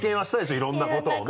いろんなことをね。